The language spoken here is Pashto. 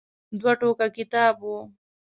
دوه ټوکه کتاب و.